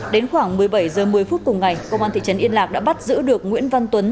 đến khoảng một mươi bảy h một mươi phút cùng ngày công an thị trấn yên lạc đã bắt giữ được nguyễn văn tuấn